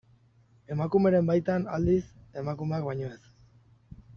Emakumeren baitan, aldiz, emakumeak baino ez.